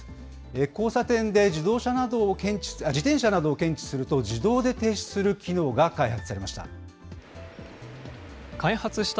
交差点で自転車などを検知すると、自動で停止する機能が開発されました。